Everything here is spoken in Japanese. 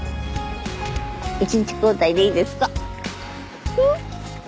１日交代でいいですか？